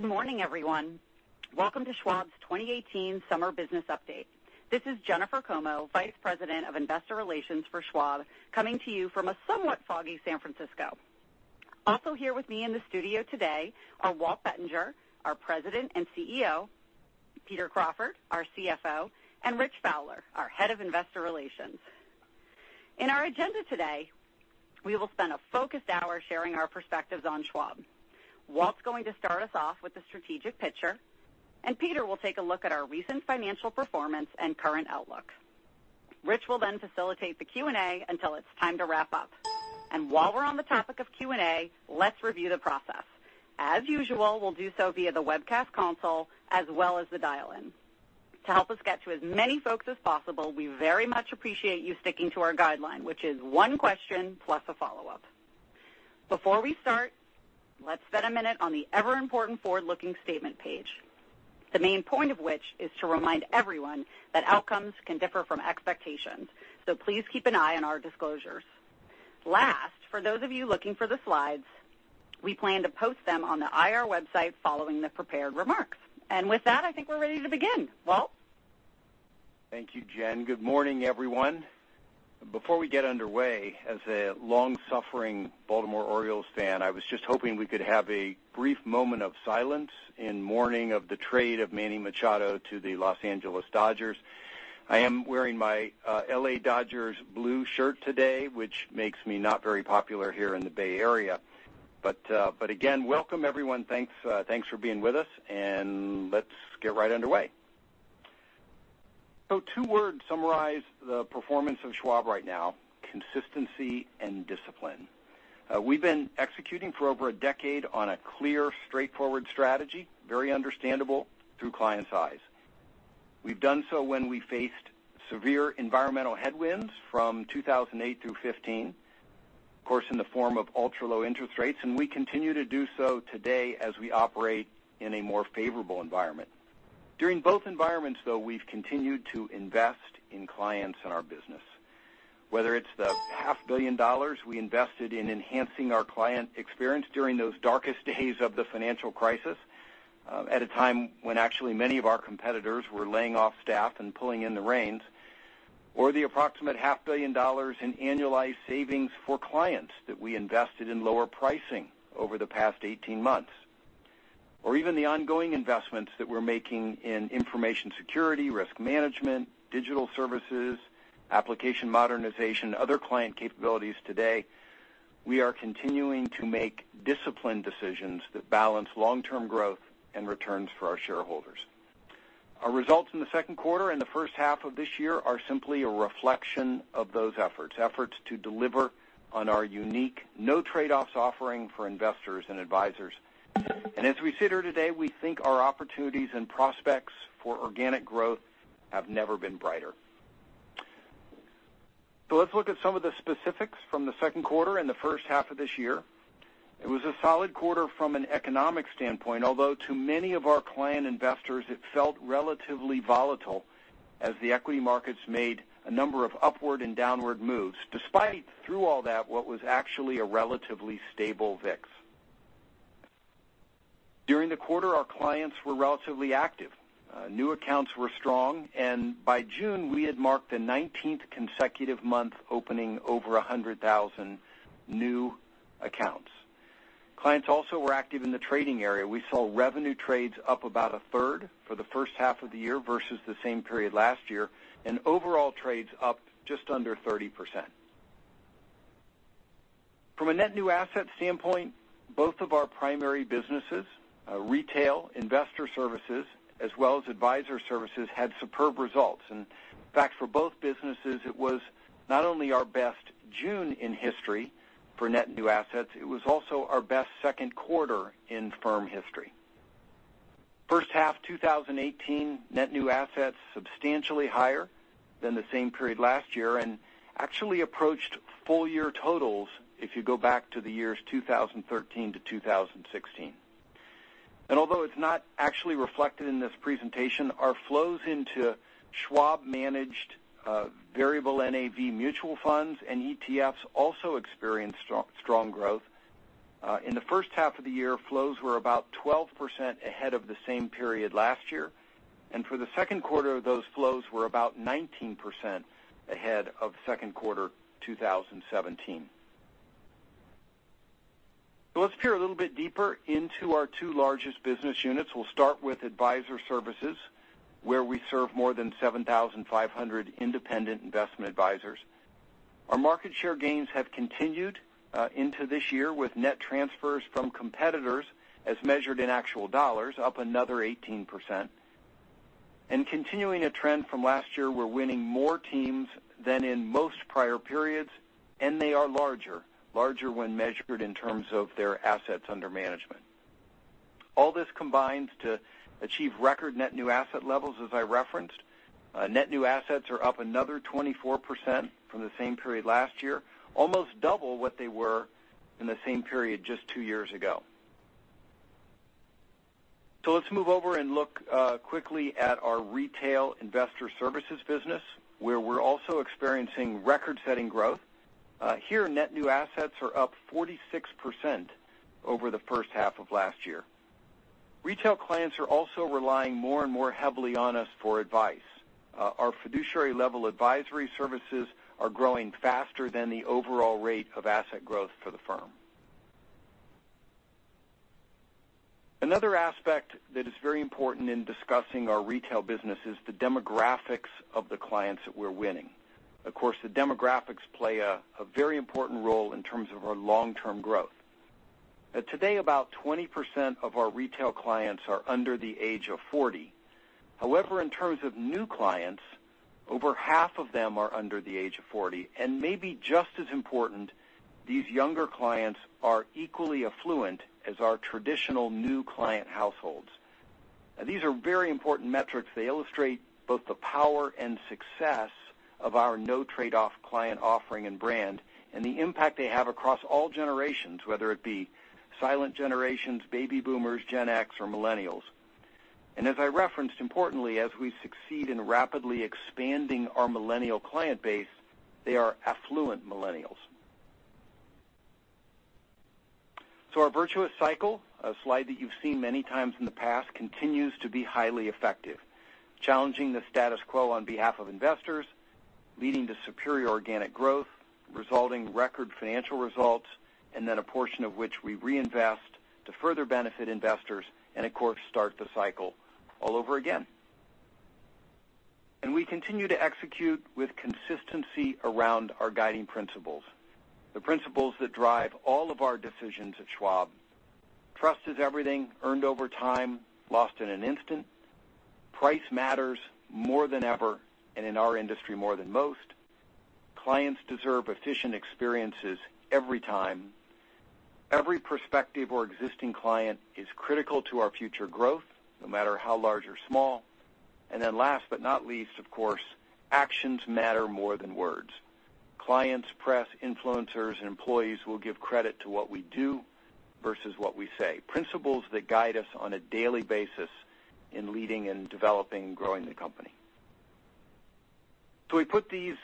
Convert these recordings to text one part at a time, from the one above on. Good morning, everyone. Welcome to Schwab's 2018 Summer Business Update. This is Jennifer Como, Vice President of Investor Relations for Schwab, coming to you from a somewhat foggy San Francisco. Also here with me in the studio today are Walt Bettinger, our President and CEO, Peter Crawford, our CFO, and Rich Fowler, our Head of Investor Relations. In our agenda today, we will spend a focused hour sharing our perspectives on Schwab. Walt's going to start us off with a strategic picture, Peter will take a look at our recent financial performance and current outlook. Rich will then facilitate the Q&A until it's time to wrap up. While we're on the topic of Q&A, let's review the process. As usual, we'll do so via the webcast console as well as the dial-in. To help us get to as many folks as possible, we very much appreciate you sticking to our guideline, which is one question plus a follow-up. Before we start, let's spend a minute on the ever-important forward-looking statement page, the main point of which is to remind everyone that outcomes can differ from expectations. Please keep an eye on our disclosures. Last, for those of you looking for the slides, we plan to post them on the IR website following the prepared remarks. With that, I think we're ready to begin. Walt? Thank you, Jen. Good morning, everyone. Before we get underway, as a long-suffering Baltimore Orioles fan, I was just hoping we could have a brief moment of silence in mourning of the trade of Manny Machado to the Los Angeles Dodgers. I am wearing my L.A. Dodgers blue shirt today, which makes me not very popular here in the Bay Area. Welcome, everyone. Thanks for being with us, let's get right underway. Two words summarize the performance of Schwab right now, consistency and discipline. We've been executing for over a decade on a clear, straightforward strategy, very understandable through clients' eyes. We've done so when we faced severe environmental headwinds from 2008 through 2015, of course, in the form of ultra-low interest rates, and we continue to do so today as we operate in a more favorable environment. During both environments, though, we've continued to invest in clients in our business. Whether it's the half billion dollars we invested in enhancing our client experience during those darkest days of the financial crisis, at a time when actually many of our competitors were laying off staff and pulling in the reins, or the approximate half billion dollars in annualized savings for clients that we invested in lower pricing over the past 18 months. Even the ongoing investments that we're making in information security, risk management, digital services, application modernization, other client capabilities today, we are continuing to make disciplined decisions that balance long-term growth and returns for our shareholders. Our results in the second quarter and the first half of this year are simply a reflection of those efforts to deliver on our unique no trade-offs offering for investors and advisors. As we sit here today, we think our opportunities and prospects for organic growth have never been brighter. Let's look at some of the specifics from the second quarter and the first half of this year. It was a solid quarter from an economic standpoint, although to many of our client investors, it felt relatively volatile as the equity markets made a number of upward and downward moves, despite through all that what was actually a relatively stable VIX. During the quarter, our clients were relatively active. New accounts were strong, and by June, we had marked the 19th consecutive month opening over 100,000 new accounts. Clients also were active in the trading area. We saw revenue trades up about a third for the first half of the year versus the same period last year, and overall trades up just under 30%. From a net new asset standpoint, both of our primary businesses, retail investor services, as well as advisor services, had superb results. In fact, for both businesses, it was not only our best June in history for net new assets, it was also our best second quarter in firm history. First half 2018 net new assets substantially higher than the same period last year and actually approached full-year totals if you go back to the years 2013-2016. Although it's not actually reflected in this presentation, our flows into Schwab-managed variable NAV mutual funds and ETFs also experienced strong growth. In the first half of the year, flows were about 12% ahead of the same period last year. For the second quarter, those flows were about 19% ahead of second quarter 2017. Let's peer a little bit deeper into our two largest business units. We'll start with advisor services, where we serve more than 7,500 independent investment advisors. Our market share gains have continued into this year with net transfers from competitors as measured in actual dollars up another 18%. Continuing a trend from last year, we're winning more teams than in most prior periods, and they are larger when measured in terms of their assets under management. All this combines to achieve record net new asset levels, as I referenced. Net new assets are up another 24% from the same period last year, almost double what they were in the same period just two years ago. Let's move over and look quickly at our retail investor services business, where we're also experiencing record-setting growth. Here, net new assets are up 46% over the first half of last year. Retail clients are also relying more and more heavily on us for advice. Our fiduciary-level advisory services are growing faster than the overall rate of asset growth for the firm. Another aspect that is very important in discussing our retail business is the demographics of the clients that we're winning. Of course, the demographics play a very important role in terms of our long-term growth. Today, about 20% of our retail clients are under the age of 40. However, in terms of new clients, over half of them are under the age of 40. Maybe just as important, these younger clients are equally affluent as our traditional new client households. These are very important metrics. They illustrate both the power and success of our no trade-off client offering and brand, and the impact they have across all generations, whether it be silent generations, baby boomers, Gen X, or millennials. As I referenced, importantly, as we succeed in rapidly expanding our millennial client base, they are affluent millennials. Our virtuous cycle, a slide that you've seen many times in the past, continues to be highly effective, challenging the status quo on behalf of investors, leading to superior organic growth, resulting record financial results, and then a portion of which we reinvest to further benefit investors and, of course, start the cycle all over again. We continue to execute with consistency around our guiding principles, the principles that drive all of our decisions at Schwab. Trust is everything earned over time, lost in an instant. Price matters more than ever, and in our industry, more than most. Clients deserve efficient experiences every time. Every prospective or existing client is critical to our future growth, no matter how large or small. Last but not least, of course, actions matter more than words. Clients, press, influencers, and employees will give credit to what we do versus what we say. Principles that guide us on a daily basis in leading and developing and growing the company. We put these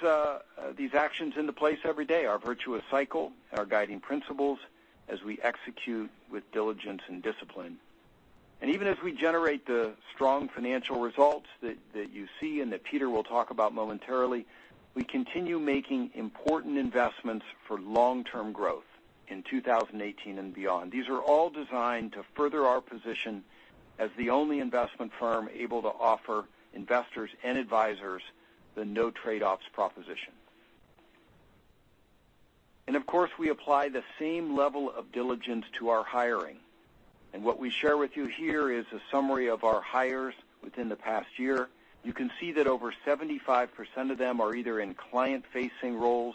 actions into place every day, our virtuous cycle and our guiding principles, as we execute with diligence and discipline. Even as we generate the strong financial results that you see and that Peter will talk about momentarily, we continue making important investments for long-term growth in 2018 and beyond. These are all designed to further our position as the only investment firm able to offer investors and advisors the no trade-offs proposition. Of course, we apply the same level of diligence to our hiring. What we share with you here is a summary of our hires within the past year. You can see that over 75% of them are either in client-facing roles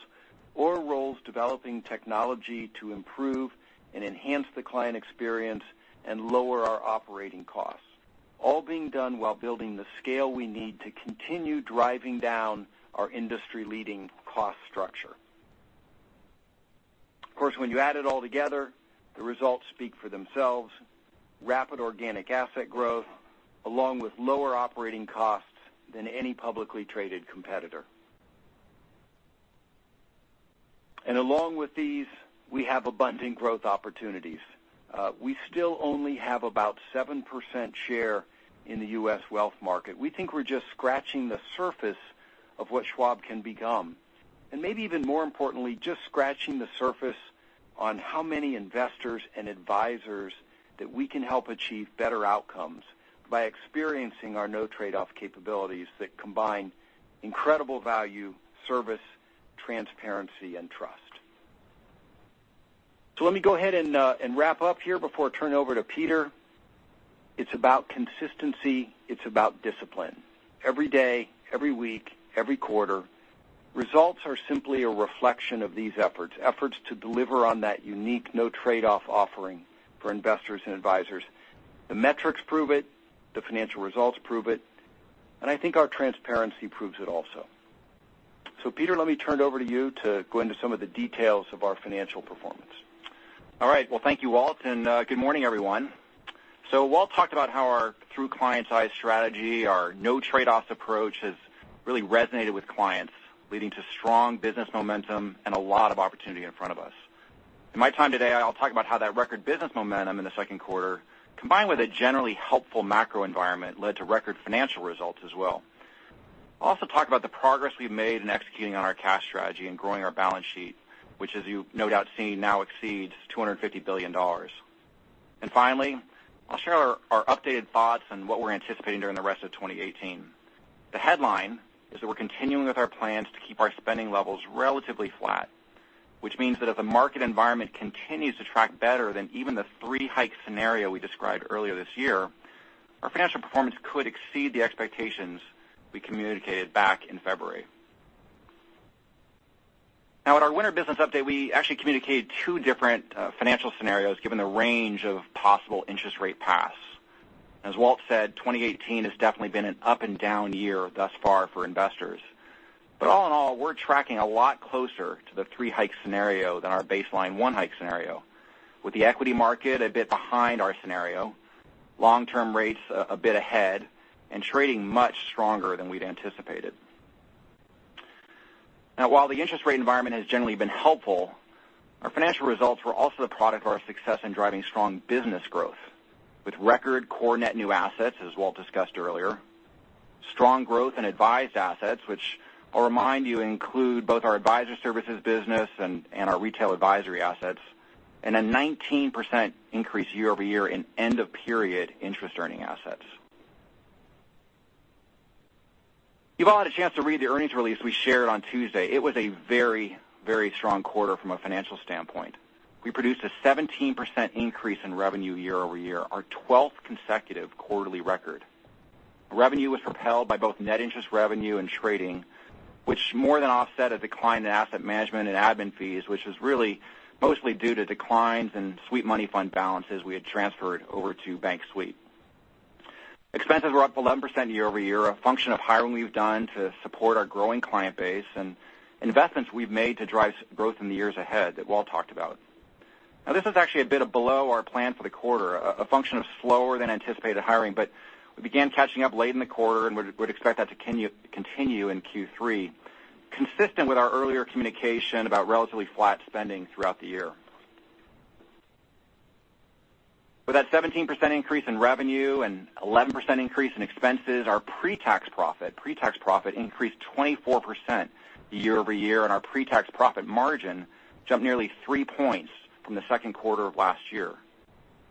or roles developing technology to improve and enhance the client experience and lower our operating costs, all being done while building the scale we need to continue driving down our industry-leading cost structure. Of course, when you add it all together, the results speak for themselves. Rapid organic asset growth, along with lower operating costs than any publicly traded competitor. Along with these, we have abundant growth opportunities. We still only have about 7% share in the U.S. wealth market. We think we're just scratching the surface of what Schwab can become, and maybe even more importantly, just scratching the surface on how many investors and advisors that we can help achieve better outcomes by experiencing our no trade-off capabilities that combine incredible value, service, transparency, and trust. Let me go ahead and wrap up here before I turn it over to Peter. It's about consistency. It's about discipline. Every day, every week, every quarter, results are simply a reflection of these efforts to deliver on that unique no trade-off offering for investors and advisors. The metrics prove it, the financial results prove it, and I think our transparency proves it also. Peter, let me turn it over to you to go into some of the details of our financial performance. All right. Well, thank you, Walt, and good morning, everyone. Walt talked about how our through clients' eyes strategy, our no trade-offs approach, has really resonated with clients, leading to strong business momentum and a lot of opportunity in front of us. In my time today, I'll talk about how that record business momentum in the second quarter, combined with a generally helpful macro environment, led to record financial results as well. I'll also talk about the progress we've made in executing on our cash strategy and growing our balance sheet, which as you've no doubt seen, now exceeds $250 billion. Finally, I'll share our updated thoughts on what we're anticipating during the rest of 2018. The headline is that we're continuing with our plans to keep our spending levels relatively flat, which means that if the market environment continues to track better than even the three-hike scenario we described earlier this year, our financial performance could exceed the expectations we communicated back in February. In our winter business update, we actually communicated two different financial scenarios given the range of possible interest rate paths. As Walt said, 2018 has definitely been an up-and-down year thus far for investors. We're tracking a lot closer to the three-hike scenario than our baseline one-hike scenario. With the equity market a bit behind our scenario long-term rates a bit ahead and trading much stronger than we'd anticipated. While the interest rate environment has generally been helpful, our financial results were also the product of our success in driving strong business growth with record core net new assets, as Walt discussed earlier. Strong growth in advised assets, which I'll remind you include both our advisor services business and our retail advisory assets, and a 19% increase year-over-year in end-of-period interest earning assets. You've all had a chance to read the earnings release we shared on Tuesday. It was a very strong quarter from a financial standpoint. We produced a 17% increase in revenue year-over-year, our 12th consecutive quarterly record. Revenue was propelled by both net interest revenue and trading, which more than offset a decline in asset management and admin fees, which was really mostly due to declines in sweep money fund balances we had transferred over to bank sweep. Expenses were up 11% year-over-year, a function of hiring we've done to support our growing client base and investments we've made to drive growth in the years ahead that Walt talked about. This is actually a bit below our plan for the quarter, a function of slower than anticipated hiring. We began catching up late in the quarter and would expect that to continue in Q3, consistent with our earlier communication about relatively flat spending throughout the year. With that 17% increase in revenue and 11% increase in expenses, our pre-tax profit increased 24% year-over-year, and our pre-tax profit margin jumped nearly three points from the second quarter of last year.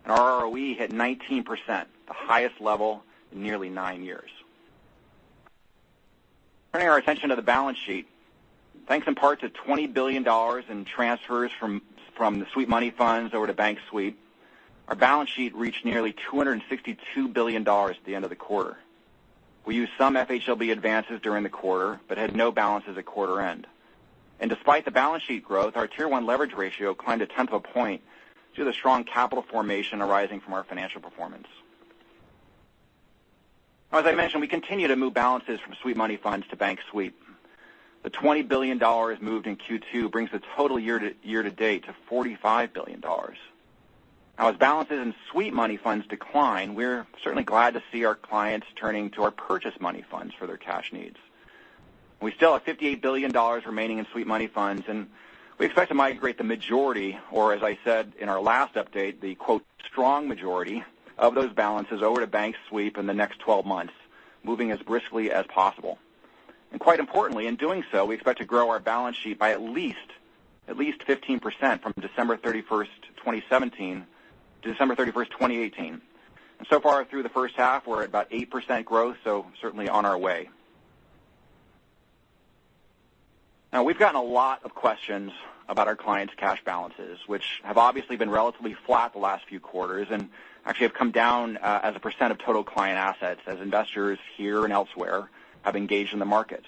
Our ROE hit 19%, the highest level in nearly nine years. Turning our attention to the balance sheet. Thanks in part to $20 billion in transfers from the sweep money funds over to bank sweep, our balance sheet reached nearly $262 billion at the end of the quarter. We used some FHLB advances during the quarter but had no balances at quarter end. Despite the balance sheet growth, our Tier 1 leverage ratio climbed a tenth of a point due to the strong capital formation arising from our financial performance. As I mentioned, we continue to move balances from sweep money funds to bank sweep. The $20 billion moved in Q2 brings the total year to date to $45 billion. As balances in sweep money funds decline, we're certainly glad to see our clients turning to our purchase money funds for their cash needs. We still have $58 billion remaining in sweep money funds, and we expect to migrate the majority, or as I said in our last update, the "strong majority" of those balances over to bank sweep in the next 12 months, moving as briskly as possible. Quite importantly, in doing so, we expect to grow our balance sheet by at least 15% from December 31st, 2017, to December 31st, 2018. So far through the first half, we're at about 8% growth, so certainly on our way. We've gotten a lot of questions about our clients' cash balances, which have obviously been relatively flat the last few quarters and actually have come down as a % of total client assets as investors here and elsewhere have engaged in the markets.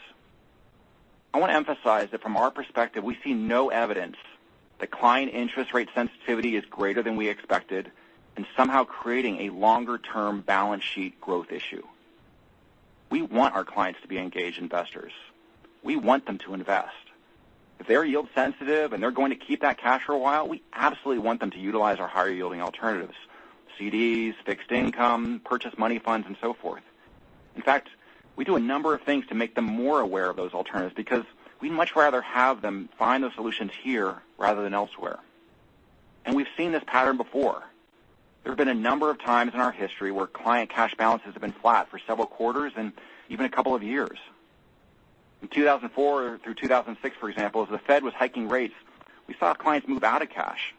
I want to emphasize that from our perspective, we see no evidence that client interest rate sensitivity is greater than we expected and somehow creating a longer-term balance sheet growth issue. We want our clients to be engaged investors. We want them to invest. If they're yield sensitive and they're going to keep that cash for a while, we absolutely want them to utilize our higher yielding alternatives, CDs, fixed income, purchase money funds, and so forth. In fact, we do a number of things to make them more aware of those alternatives because we'd much rather have them find those solutions here rather than elsewhere. We've seen this pattern before. There have been a number of times in our history where client cash balances have been flat for several quarters and even a couple of years. In 2004 through 2006, for example, as the Fed was hiking rates, we saw clients move out of cash.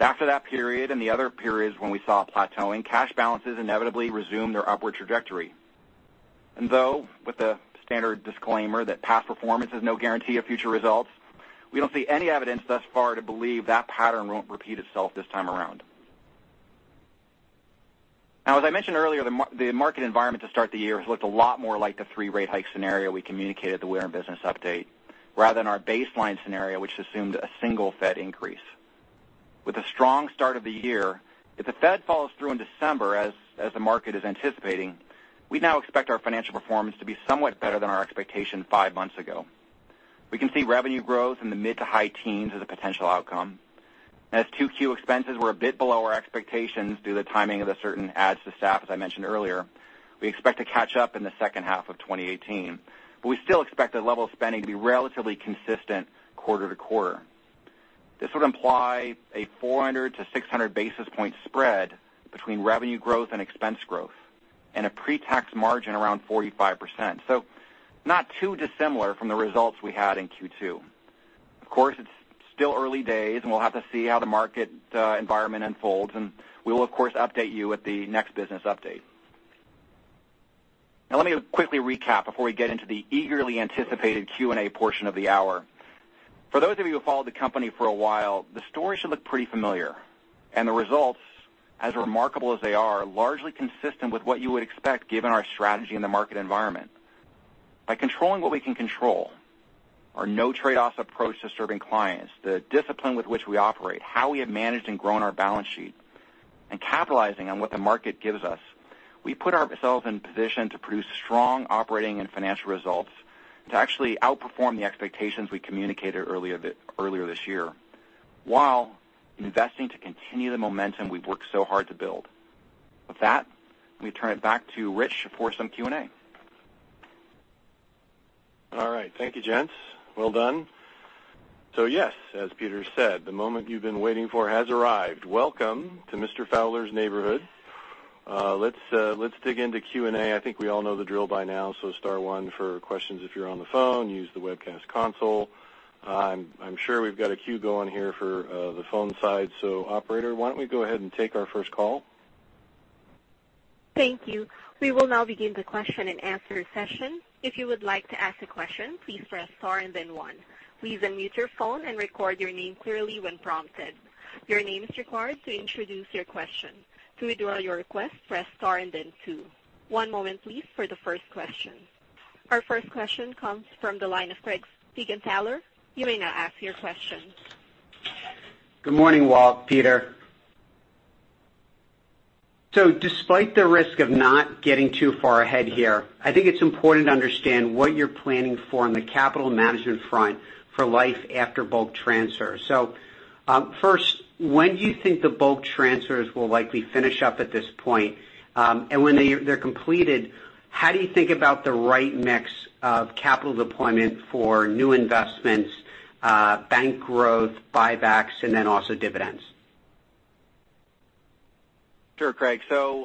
After that period and the other periods when we saw a plateauing, cash balances inevitably resumed their upward trajectory. Though, with the standard disclaimer that past performance is no guarantee of future results, we don't see any evidence thus far to believe that pattern won't repeat itself this time around. As I mentioned earlier, the market environment to start the year has looked a lot more like the three-rate hike scenario we communicated at the year-end business update rather than our baseline scenario, which assumed a single Fed increase. With a strong start of the year, if the Fed follows through in December as the market is anticipating, we now expect our financial performance to be somewhat better than our expectation five months ago. We can see revenue growth in the mid to high teens as a potential outcome. As 2Q expenses were a bit below our expectations due to the timing of certain adds to staff, as I mentioned earlier, we expect to catch up in the second half of 2018. We still expect the level of spending to be relatively consistent quarter to quarter. This would imply a 400 to 600 basis point spread between revenue growth and expense growth and a pre-tax margin around 45%. Not too dissimilar from the results we had in Q2. Of course, it's still early days, and we'll have to see how the market environment unfolds. We will, of course, update you at the next business update. Let me quickly recap before we get into the eagerly anticipated Q&A portion of the hour. For those of you who followed the company for a while, the story should look pretty familiar. The results, as remarkable as they are, largely consistent with what you would expect given our strategy and the market environment. By controlling what we can control, our no trade-offs approach to serving clients, the discipline with which we operate, how we have managed and grown our balance sheet, capitalizing on what the market gives us. We put ourselves in position to produce strong operating and financial results to actually outperform the expectations we communicated earlier this year, while investing to continue the momentum we've worked so hard to build. With that, let me turn it back to Rich for some Q&A. All right. Thank you, gents. Well done. Yes, as Peter said, the moment you've been waiting for has arrived. Welcome to Mr. Fowler's neighborhood. Let's dig into Q&A. I think we all know the drill by now. Star one for questions if you're on the phone, use the webcast console. I'm sure we've got a queue going here for the phone side. Operator, why don't we go ahead and take our first call? Thank you. We will now begin the question and answer session. If you would like to ask a question, please press star and then one. Please unmute your phone and record your name clearly when prompted. Your name is required to introduce your question. To withdraw your request, press star and then two. One moment, please, for the first question. Our first question comes from the line of Craig Siegenthaler. You may now ask your question. Good morning, Walt, Peter. Despite the risk of not getting too far ahead here, I think it's important to understand what you're planning for on the capital management front for life after bulk transfers. First, when do you think the bulk transfers will likely finish up at this point? When they're completed, how do you think about the right mix of capital deployment for new investments, bank growth, buybacks, and then also dividends? Sure, Craig. I'm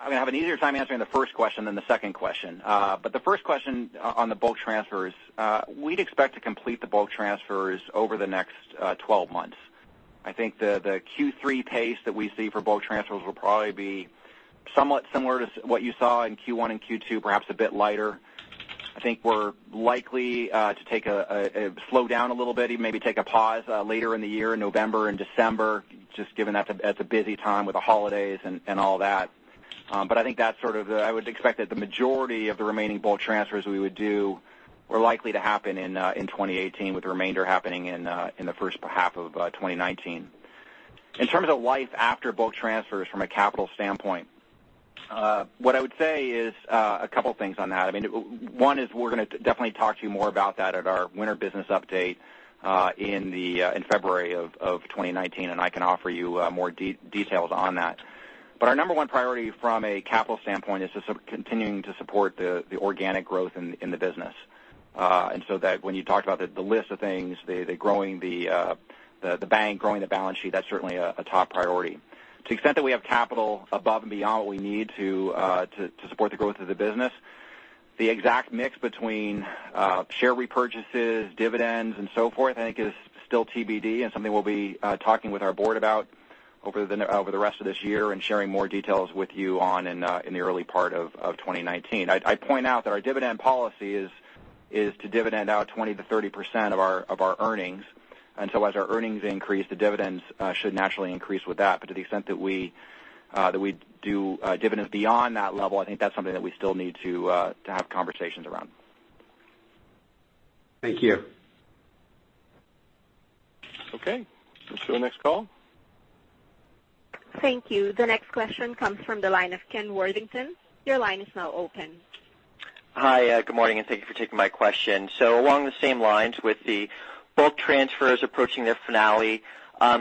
going to have an easier time answering the first question than the second question. The first question on the bulk transfers, we'd expect to complete the bulk transfers over the next 12 months. I think the Q3 pace that we see for bulk transfers will probably be somewhat similar to what you saw in Q1 and Q2, perhaps a bit lighter. I think we're likely to slow down a little bit, even maybe take a pause later in the year, in November and December, just given that's a busy time with the holidays and all that. I would expect that the majority of the remaining bulk transfers we would do are likely to happen in 2018, with the remainder happening in the first half of 2019. In terms of life after bulk transfers from a capital standpoint, what I would say is a couple of things on that. One is we're going to definitely talk to you more about that at our winter business update in February of 2019, and I can offer you more details on that. Our number 1 priority from a capital standpoint is just continuing to support the organic growth in the business. When you talked about the list of things, growing the bank, growing the balance sheet, that's certainly a top priority. To the extent that we have capital above and beyond what we need to support the growth of the business, the exact mix between share repurchases, dividends, and so forth, I think is still TBD and something we'll be talking with our board about over the rest of this year and sharing more details with you on in the early part of 2019. I'd point out that our dividend policy is to dividend out 20% to 30% of our earnings. As our earnings increase, the dividends should naturally increase with that. To the extent that we do dividends beyond that level, I think that's something that we still need to have conversations around. Thank you. Okay. Let's go next call. Thank you. The next question comes from the line of Ken Worthington. Your line is now open. Hi, good morning, and thank you for taking my question. Along the same lines with the bulk transfers approaching their finale,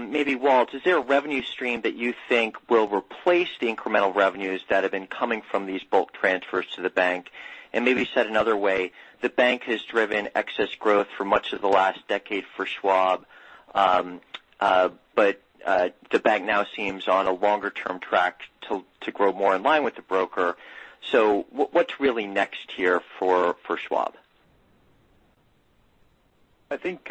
maybe Walt, is there a revenue stream that you think will replace the incremental revenues that have been coming from these bulk transfers to the bank? Maybe said another way, the bank has driven excess growth for much of the last decade for Schwab, but the bank now seems on a longer-term track to grow more in line with the broker. What's really next here for Schwab? I think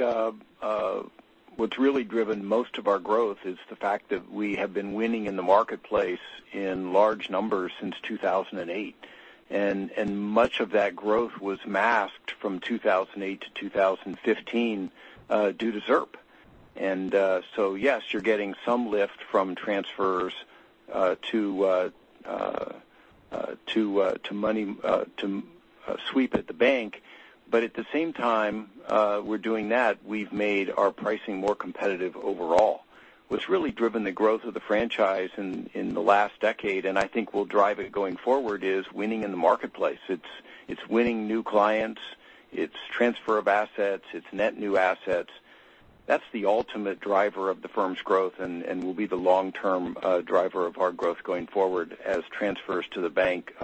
what's really driven most of our growth is the fact that we have been winning in the marketplace in large numbers since 2008. Much of that growth was masked from 2008 to 2015 due to ZIRP. Yes, you're getting some lift from transfers to sweep at the bank. At the same time we're doing that, we've made our pricing more competitive overall. What's really driven the growth of the franchise in the last decade, and I think will drive it going forward, is winning in the marketplace. It's winning new clients, it's transfer of assets, it's net new assets. That's the ultimate driver of the firm's growth and will be the long-term driver of our growth going forward as transfers to the bank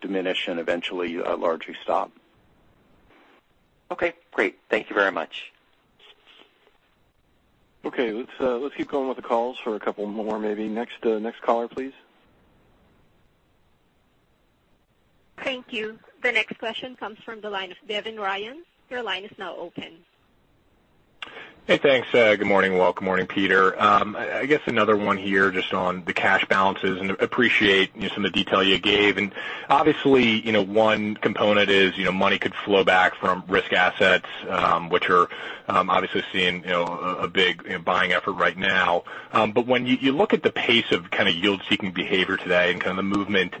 diminish and eventually largely stop. Okay, great. Thank you very much. Okay. Let's keep going with the calls for a couple more maybe. Next caller, please. Thank you. The next question comes from the line of Devin Ryan. Your line is now open. Hey, thanks. Good morning, Walt. Good morning, Peter. I guess another one here just on the cash balances, and appreciate some of the detail you gave. Obviously, one component is money could flow back from risk assets, which are obviously seeing a big buying effort right now. When you look at the pace of yield-seeking behavior today and the movement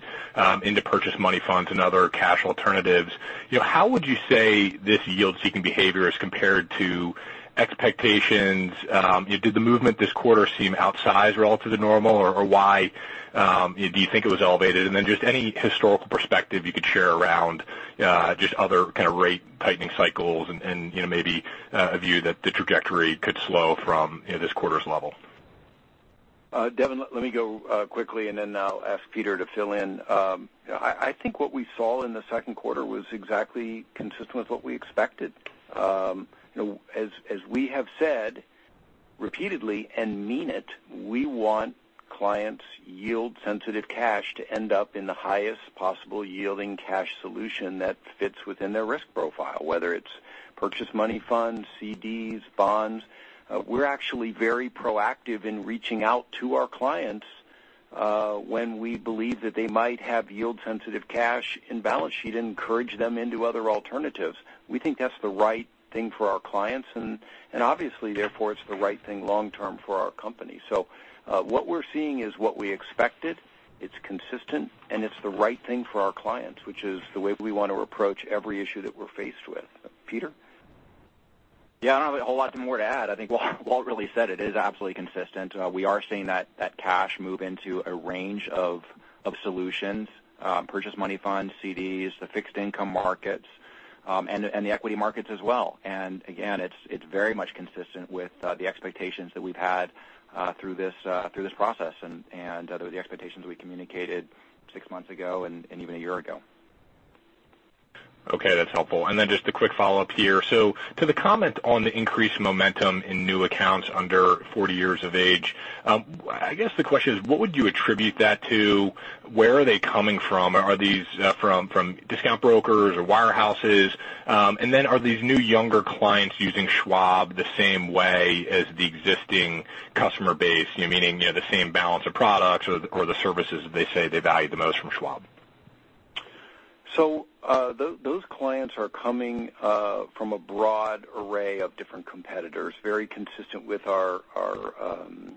into purchase money funds and other cash alternatives, how would you say this yield-seeking behavior is compared to expectations? Did the movement this quarter seem outsized relative to normal, or why do you think it was elevated? Just any historical perspective you could share around just other rate tightening cycles and maybe a view that the trajectory could slow from this quarter's level. Devin, let me go quickly and then I'll ask Peter to fill in. I think what we saw in the second quarter was exactly consistent with what we expected. As we have said repeatedly, and mean it, we want clients' yield-sensitive cash to end up in the highest possible yielding cash solution that fits within their risk profile, whether it's purchase money funds, CDs, bonds. We're actually very proactive in reaching out to our clients when we believe that they might have yield-sensitive cash in balance sheet and encourage them into other alternatives. We think that's the right thing for our clients, and obviously, therefore, it's the right thing long-term for our company. What we're seeing is what we expected. It's consistent, and it's the right thing for our clients, which is the way we want to approach every issue that we're faced with. Peter? Yeah, I don't have a whole lot more to add. I think Walt really said it. It is absolutely consistent. We are seeing that cash move into a range of solutions, purchase money funds, CDs, the fixed income markets, and the equity markets as well. Again, it's very much consistent with the expectations that we've had through this process and the expectations we communicated six months ago and even a year ago. Okay, that's helpful. Just a quick follow-up here. To the comment on the increased momentum in new accounts under 40 years of age, I guess the question is, what would you attribute that to? Where are they coming from? Are these from discount brokers or wire houses? Are these new younger clients using Schwab the same way as the existing customer base, meaning the same balance of products or the services they say they value the most from Schwab? Those clients are coming from a broad array of different competitors, very consistent with the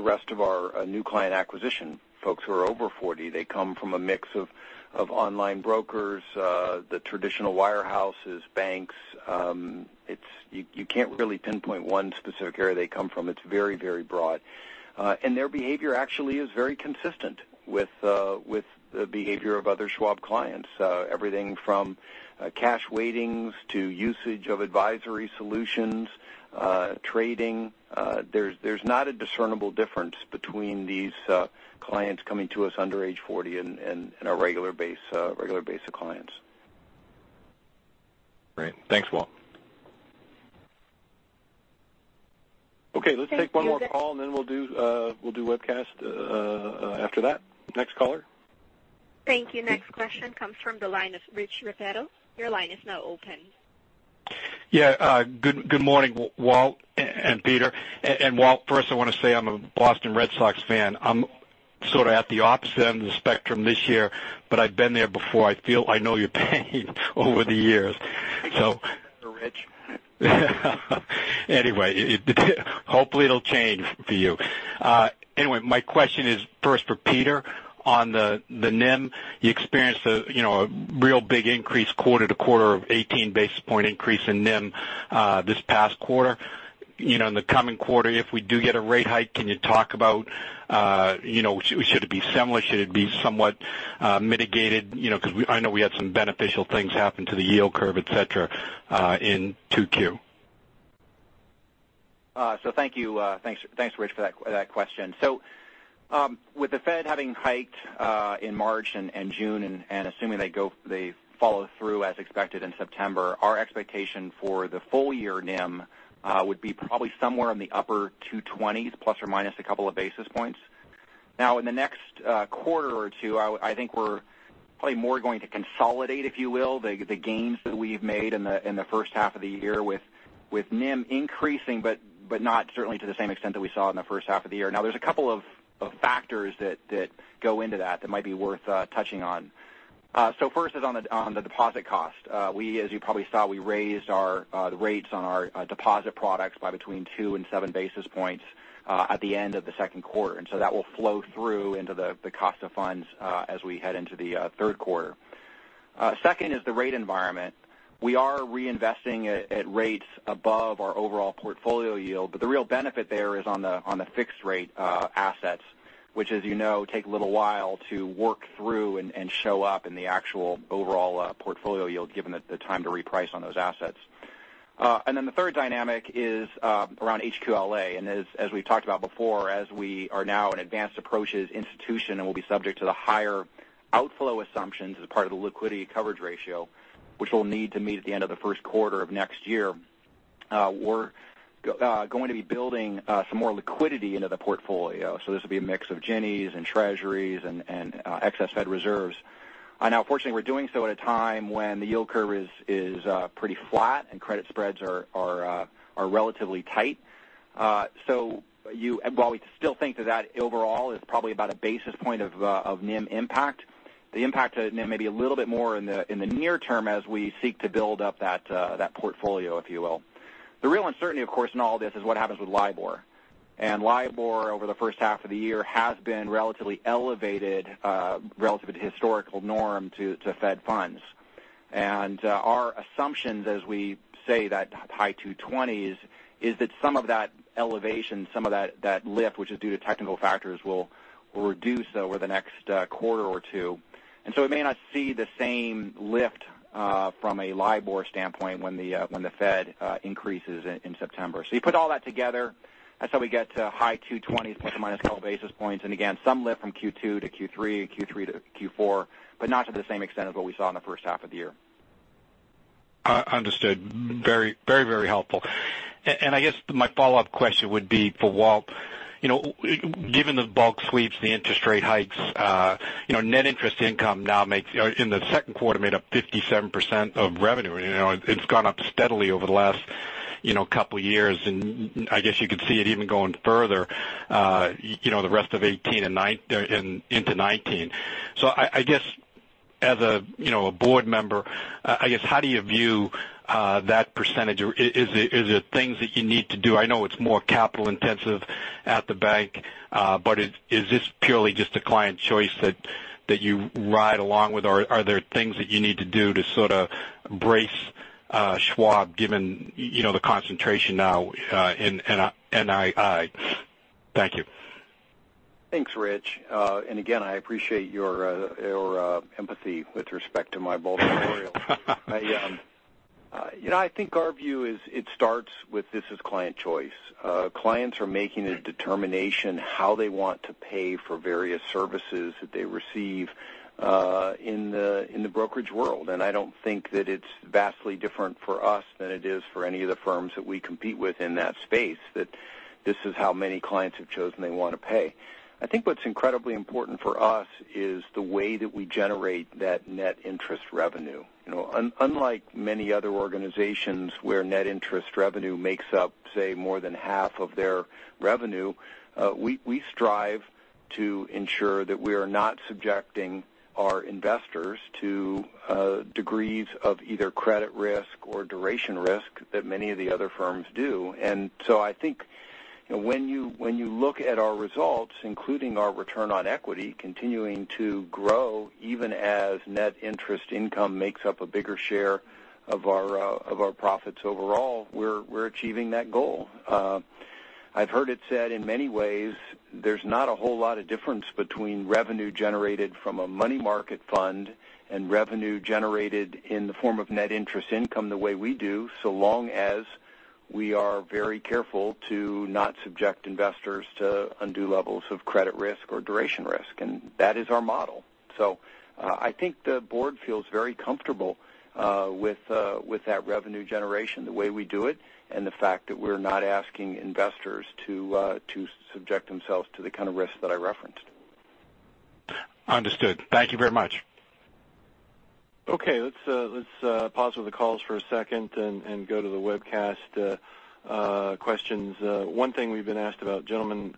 rest of our new client acquisition. Folks who are over 40, they come from a mix of online brokers, the traditional wire houses, banks. You can't really pinpoint one specific area they come from. It's very broad. Their behavior actually is very consistent with the behavior of other Schwab clients, everything from cash weightings to usage of advisory solutions, trading. There's not a discernible difference between these clients coming to us under age 40 and our regular base of clients. Great. Thanks, Walt. Let's take one more call, and then we'll do webcast after that. Next caller. Thank you. Next question comes from the line of Rich Repetto. Your line is now open. Good morning, Walt and Peter. First, I want to say I'm a Boston Red Sox fan. I'm sort of at the opposite end of the spectrum this year, but I've been there before. I feel I know your pain over the years. Thank you for that, Rich. Anyway, hopefully it'll change for you. Anyway, my question is first for Peter on the NIM. You experienced a real big increase quarter-to-quarter of 18 basis point increase in NIM this past quarter. In the coming quarter, if we do get a rate hike, can you talk about should it be similar, should it be somewhat mitigated? I know we had some beneficial things happen to the yield curve, et cetera, in 2Q. Thank you. Thanks, Rich, for that question. With the Fed having hiked in March and June and assuming they follow through as expected in September, our expectation for the full-year NIM would be probably somewhere in the upper 220s plus or minus a couple of basis points. In the next quarter or two, I think we're probably more going to consolidate, if you will, the gains that we've made in the first half of the year with NIM increasing, but not certainly to the same extent that we saw in the first half of the year. There's a couple of factors that go into that that might be worth touching on. First is on the deposit cost. As you probably saw, we raised the rates on our deposit products by between two and seven basis points at the end of the second quarter. That will flow through into the cost of funds as we head into the third quarter. Second is the rate environment. We are reinvesting at rates above our overall portfolio yield, but the real benefit there is on the fixed-rate assets, which as you know take a little while to work through and show up in the actual overall portfolio yield given the time to reprice on those assets. Then the third dynamic is around HQLA. As we've talked about before, as we are now an advanced approaches institution and will be subject to the higher outflow assumptions as part of the liquidity coverage ratio, which we'll need to meet at the end of the first quarter of next year, we're going to be building some more liquidity into the portfolio. This will be a mix of Ginnies and Treasuries and excess Fed reserves. Unfortunately, we're doing so at a time when the yield curve is pretty flat and credit spreads are relatively tight. While we still think that overall it's probably about a basis point of NIM impact, the impact to NIM may be a little bit more in the near term as we seek to build up that portfolio, if you will. The real uncertainty, of course, in all this is what happens with LIBOR. LIBOR over the first half of the year has been relatively elevated relative to historical norm to Fed funds. Our assumptions as we say that high 220s is that some of that elevation, some of that lift which is due to technical factors will reduce over the next quarter or 2. We may not see the same lift from a LIBOR standpoint when the Fed increases in September. You put all that together, that's how we get to high 220 ±12 basis points. Again, some lift from Q2 to Q3 and Q3 to Q4, but not to the same extent as what we saw in the first half of the year. Understood. Very helpful. I guess my follow-up question would be for Walt. Given the bulk sweeps, the interest rate hikes, net interest income now in the second quarter made up 57% of revenue. It's gone up steadily over the last couple of years, and I guess you could see it even going further the rest of 2018 and into 2019. I guess as a board member, how do you view that percentage? Is it things that you need to do? I know it's more capital intensive at the bank. Is this purely just a client choice that you ride along with, or are there things that you need to do to sort of brace Schwab given the concentration now in NII? Thank you. Thanks, Rich. Again, I appreciate your empathy with respect to my bulk material. Our view is it starts with this is client choice. Clients are making a determination how they want to pay for various services that they receive in the brokerage world. I don't think that it's vastly different for us than it is for any of the firms that we compete with in that space, that this is how many clients have chosen they want to pay. I think what's incredibly important for us is the way that we generate that net interest revenue. Unlike many other organizations where net interest revenue makes up, say, more than half of their revenue, we strive to ensure that we are not subjecting our investors to degrees of either credit risk or duration risk that many of the other firms do. I think when you look at our results, including our return on equity continuing to grow, even as net interest income makes up a bigger share of our profits overall, we're achieving that goal. I've heard it said in many ways, there's not a whole lot of difference between revenue generated from a money market fund and revenue generated in the form of net interest income the way we do, so long as we are very careful to not subject investors to undue levels of credit risk or duration risk, and that is our model. I think the board feels very comfortable with that revenue generation, the way we do it, and the fact that we're not asking investors to subject themselves to the kind of risks that I referenced. Understood. Thank you very much. Okay, let's pause with the calls for a second and go to the webcast questions. One thing we've been asked about, gentlemen,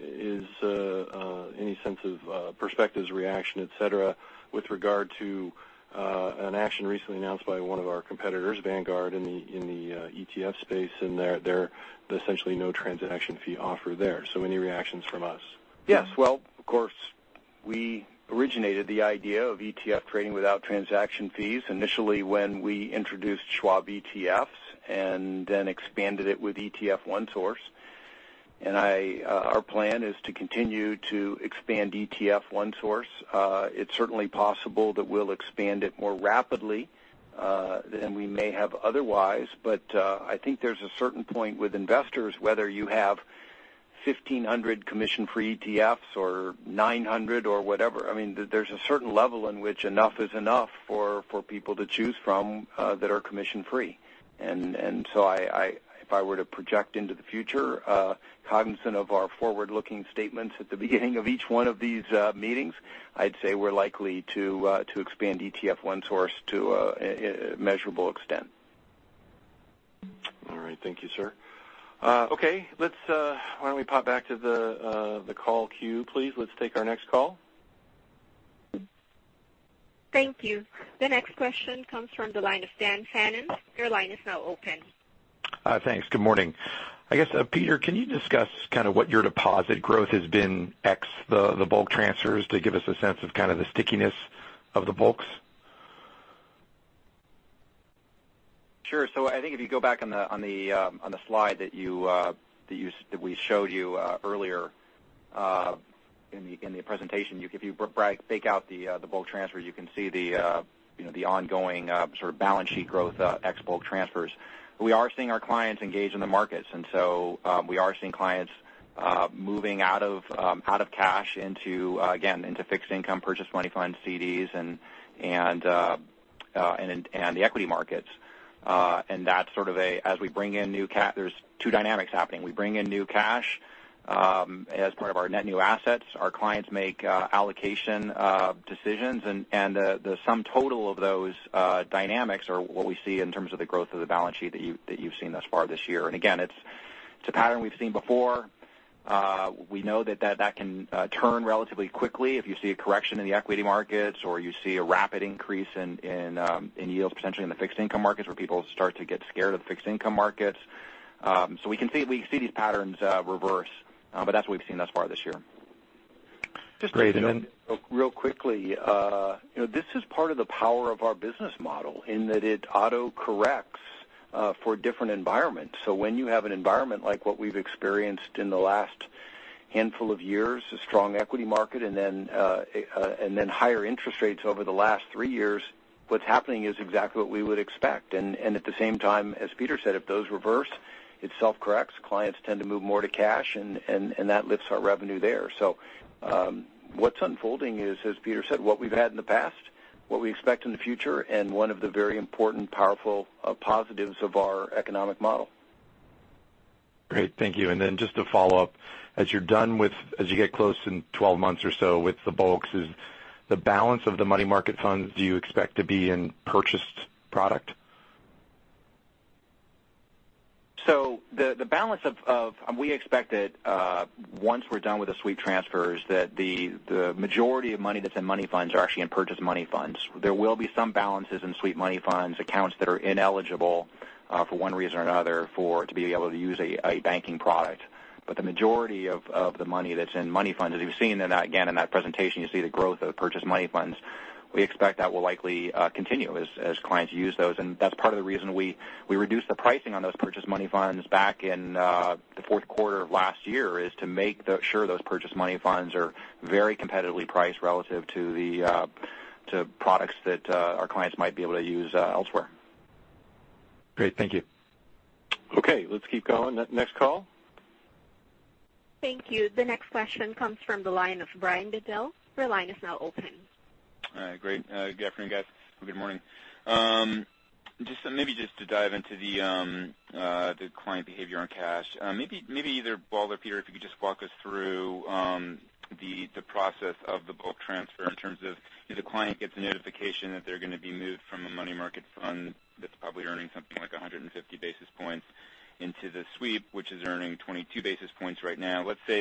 is any sense of perspectives, reaction, et cetera, with regard to an action recently announced by one of our competitors, Vanguard, in the ETF space, and their essentially no transaction fee offer there. Any reactions from us? Yes. Well, of course, we originated the idea of ETF trading without transaction fees initially when we introduced Schwab ETFs and then expanded it with ETF OneSource. Our plan is to continue to expand ETF OneSource. It's certainly possible that we'll expand it more rapidly than we may have otherwise. I think there's a certain point with investors, whether you have 1,500 commission-free ETFs or 900 or whatever, there's a certain level in which enough is enough for people to choose from that are commission-free. If I were to project into the future, cognizant of our forward-looking statements at the beginning of each one of these meetings, I'd say we're likely to expand ETF OneSource to a measurable extent. All right. Thank you, sir. Okay. Why don't we pop back to the call queue, please? Let's take our next call. Thank you. The next question comes from the line of Daniel Fannon. Your line is now open. Thanks. Good morning. I guess, Peter, can you discuss what your deposit growth has been ex the bulk transfers to give us a sense of kind of the stickiness of the bulks? Sure. I think if you go back on the slide that we showed you earlier in the presentation, if you take out the bulk transfer, you can see the ongoing sort of balance sheet growth ex bulk transfers. We are seeing our clients engage in the markets. We are seeing clients moving out of cash into fixed income, purchase money funds, CDs, and the equity markets. There's two dynamics happening. We bring in new cash as part of our net new assets. Our clients make allocation decisions. The sum total of those dynamics are what we see in terms of the growth of the balance sheet that you've seen thus far this year. Again, it's a pattern we've seen before. We know that can turn relatively quickly if you see a correction in the equity markets, or you see a rapid increase in yields potentially in the fixed income markets where people start to get scared of the fixed income markets. We can see these patterns reverse, but that's what we've seen thus far this year. Great. Just real quickly, this is part of the power of our business model in that it autocorrects for different environments. When you have an environment like what we've experienced in the last handful of years, a strong equity market and then higher interest rates over the last three years, what's happening is exactly what we would expect. At the same time, as Peter said, if those reverse, it self-corrects. Clients tend to move more to cash. That lifts our revenue there. What's unfolding is, as Peter said, what we've had in the past, what we expect in the future, and one of the very important, powerful positives of our economic model. Great. Thank you. Just to follow up, as you get close in 12 months or so with the bulks, is the balance of the money market funds, do you expect to be in purchased product? We expect that once we're done with the sweep transfers, that the majority of money that's in money funds are actually in purchase money funds. There will be some balances in sweep money funds, accounts that are ineligible for one reason or another to be able to use a banking product. The majority of the money that's in money funds, as you've seen in that presentation, you see the growth of purchase money funds, we expect that will likely continue as clients use those. That's part of the reason we reduced the pricing on those purchase money funds back in the fourth quarter of last year, is to make sure those purchase money funds are very competitively priced relative to products that our clients might be able to use elsewhere. Great. Thank you. Okay, let's keep going. Next call. Thank you. The next question comes from the line of Brian Bedell. Your line is now open. All right, great. Good afternoon, guys, or good morning. Maybe just to dive into the client behavior on cash. Maybe either Walt or Peter, if you could just walk us through the process of the bulk transfer in terms of if the client gets a notification that they're going to be moved from a money market fund that's probably earning something like 150 basis points into the sweep, which is earning 22 basis points right now. Let's say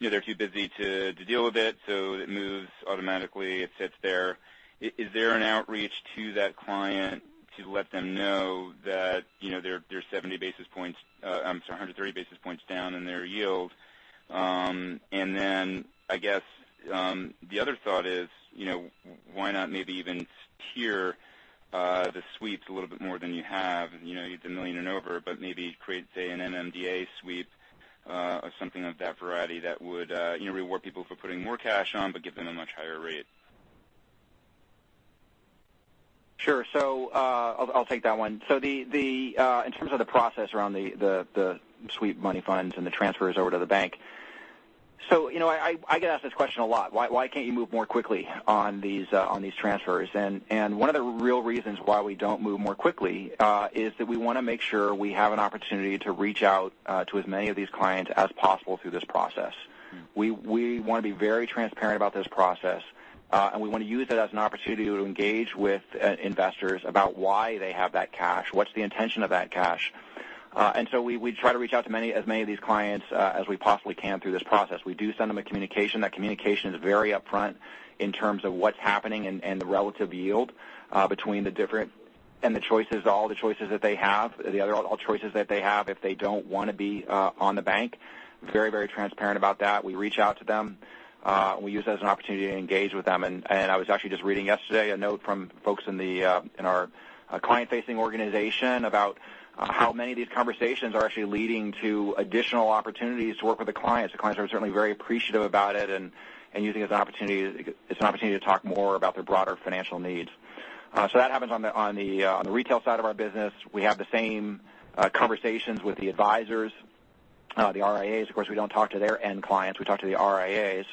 they're too busy to deal with it, so it moves automatically, it sits there. Is there an outreach to that client to let them know that they're 130 basis points down in their yield? I guess, the other thought is why not maybe even tier the sweeps a little bit more than you have? You have the $1 million and over, but maybe create, say, an MMDA sweep or something of that variety that would reward people for putting more cash on, but give them a much higher rate. Sure. I'll take that one. In terms of the process around the sweep money funds and the transfers over to the bank. I get asked this question a lot, why can't you move more quickly on these transfers? One of the real reasons why we don't move more quickly is that we want to make sure we have an opportunity to reach out to as many of these clients as possible through this process. We want to be very transparent about this process, and we want to use it as an opportunity to engage with investors about why they have that cash, what's the intention of that cash. We try to reach out to as many of these clients as we possibly can through this process. We do send them a communication. That communication is very upfront in terms of what's happening and the relative yield between all the choices that they have, the other choices that they have if they don't want to be on the bank. Very transparent about that. We reach out to them. We use it as an opportunity to engage with them. I was actually just reading yesterday a note from folks in our client-facing organization about how many of these conversations are actually leading to additional opportunities to work with the clients. The clients are certainly very appreciative about it and using it as an opportunity to talk more about their broader financial needs. That happens on the retail side of our business. We have the same conversations with the advisors, the RIAs. Of course, we don't talk to their end clients, we talk to the RIAs,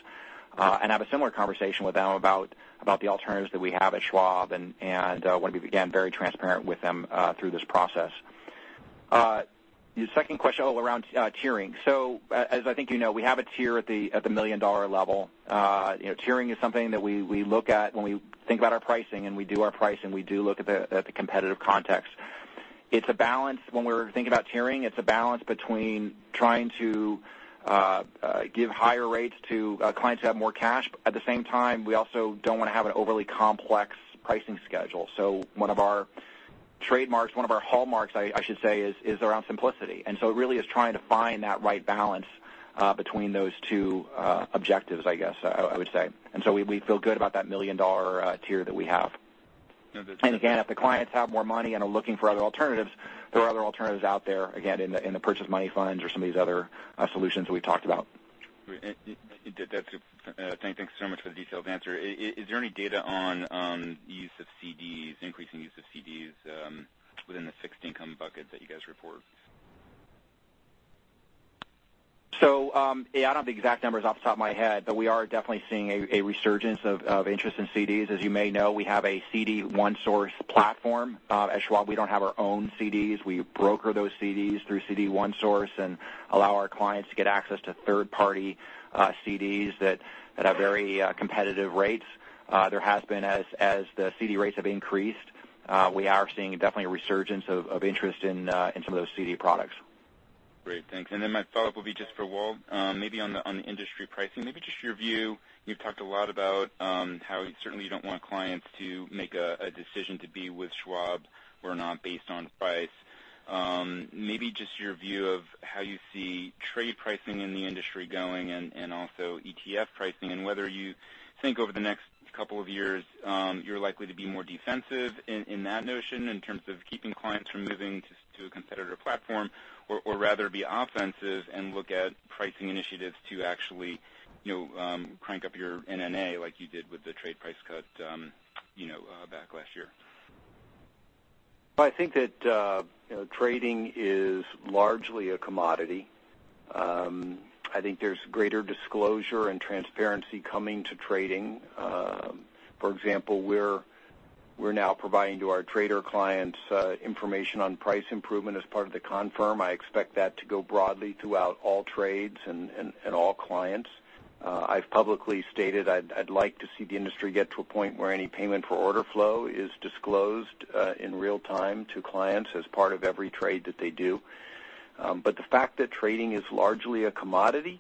have a similar conversation with them about the alternatives that we have at Schwab, want to be, again, very transparent with them through this process. Your second question around tiering. As I think you know, we have a tier at the million-dollar level. Tiering is something that we look at when we think about our pricing, we do our pricing, we do look at the competitive context. When we're thinking about tiering, it's a balance between trying to give higher rates to clients who have more cash, at the same time, we also don't want to have an overly complex pricing schedule. One of our trademarks, one of our hallmarks, I should say, is around simplicity. It really is trying to find that right balance between those two objectives, I guess I would say. We feel good about that million-dollar tier that we have. Again, if the clients have more money and are looking for other alternatives, there are other alternatives out there, again, in the purchase money funds or some of these other solutions that we talked about. Great. That's good. Thanks so much for the detailed answer. Is there any data on use of CDs, increasing use of CDs within the fixed income bucket that you guys report? I don't have the exact numbers off the top of my head, but we are definitely seeing a resurgence of interest in CDs. As you may know, we have a Schwab CD OneSource platform. At Schwab, we don't have our own CDs. We broker those CDs through Schwab CD OneSource and allow our clients to get access to third-party CDs that have very competitive rates. There has been, as the CD rates have increased, we are seeing definitely a resurgence of interest in some of those CD products. Great. Thanks. My follow-up will be just for Walt. Maybe on the industry pricing, maybe just your view. You've talked a lot about how certainly you don't want clients to make a decision to be with Schwab or not based on price. Maybe just your view of how you see trade pricing in the industry going and also ETF pricing and whether you think over the next couple of years you're likely to be more defensive in that notion in terms of keeping clients from moving to a competitor platform or rather be offensive and look at pricing initiatives to actually crank up your NNA like you did with the trade price cut back last year. I think that trading is largely a commodity. I think there's greater disclosure and transparency coming to trading. For example, we're now providing to our trader clients information on price improvement as part of the confirm. I expect that to go broadly throughout all trades and all clients. I've publicly stated I'd like to see the industry get to a point where any payment for order flow is disclosed in real time to clients as part of every trade that they do. The fact that trading is largely a commodity,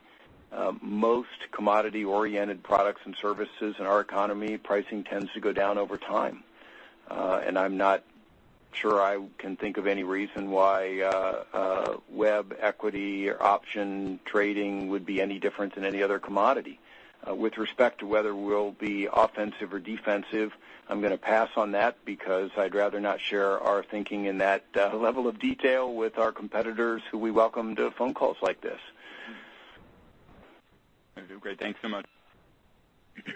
most commodity-oriented products and services in our economy, pricing tends to go down over time. I'm not sure I can think of any reason why web equity or option trading would be any different than any other commodity. With respect to whether we'll be offensive or defensive, I'm going to pass on that because I'd rather not share our thinking in that level of detail with our competitors who we welcome to phone calls like this. I do. Great. Thanks so much.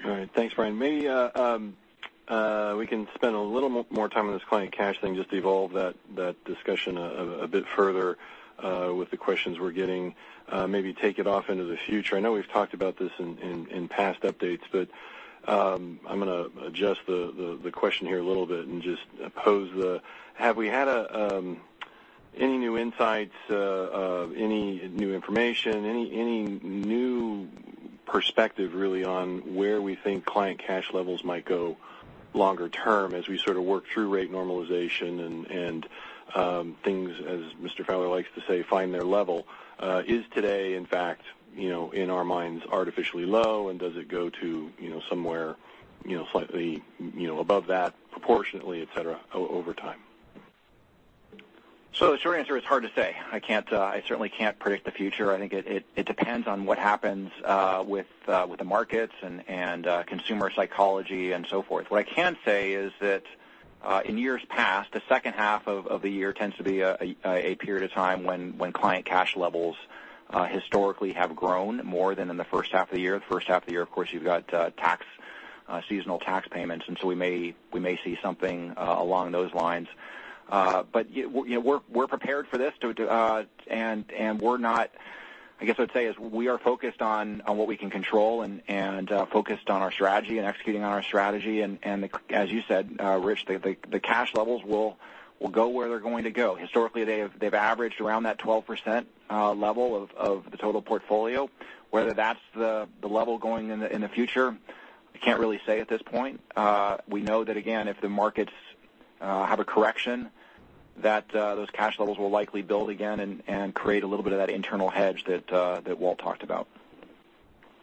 All right. Thanks, Brian. Maybe we can spend a little more time on this client cash thing, just evolve that discussion a bit further with the questions we're getting. Maybe take it off into the future. I know we've talked about this in past updates, but I'm going to adjust the question here a little bit and just pose the, have we had any new insights, any new information, any new perspective really on where we think client cash levels might go longer term as we sort of work through rate normalization and things, as Mr. Fowler likes to say, find their level? Is today, in fact, in our minds, artificially low and does it go to somewhere slightly above that proportionately, et cetera, over time? The short answer is hard to say. I certainly can't predict the future. I think it depends on what happens with the markets and consumer psychology and so forth. What I can say is that in years past, the second half of the year tends to be a period of time when client cash levels historically have grown more than in the first half of the year. The first half of the year, of course, you've got seasonal tax payments, and so we may see something along those lines. We're prepared for this, and we're not, I guess I'd say is we are focused on what we can control and focused on our strategy and executing on our strategy. As you said, Rich, the cash levels will go where they're going to go. Historically, they've averaged around that 12% level of the total portfolio. Whether that's the level going in the future, I can't really say at this point. We know that, again, if the markets have a correction, that those cash levels will likely build again and create a little bit of that internal hedge that Walt talked about.